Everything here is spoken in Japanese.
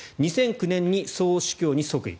２００９年に総主教に即位。